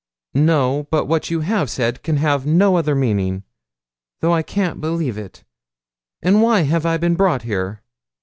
'No; but what you have said can have no other meaning, though I can't believe it. And why have I been brought here?